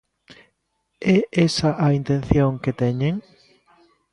¿É esa a intención que teñen?